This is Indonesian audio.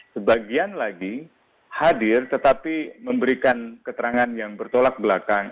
sebagian lagi hadir tetapi memberikan keterangan yang bertolak belakang